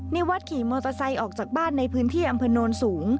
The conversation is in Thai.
ในวัดขี่มอเตอร์ไซค์ออกจากบ้านในพื้นที่อำเภอโนนสูง